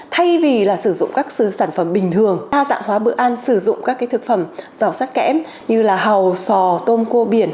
thay vì sử dụng các sản phẩm bình thường đa dạng hóa bữa ăn sử dụng các thực phẩm giàu sắc kẽm như hầu sò tôm cua biển